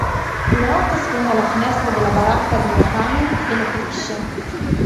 Una notte sfonda la finestra della baracca di Vatanen e lo ferisce.